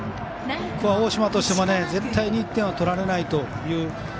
ここは大島としても絶対に１点は取られないという。